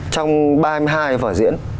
trong ba mươi hai vở diễn